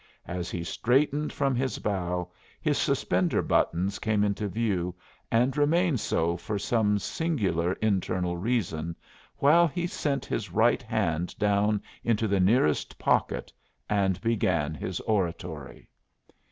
As he straightened from his bow his suspender buttons came into view, and remained so for some singular internal reason, while he sent his right hand down into the nearest pocket and began his oratory.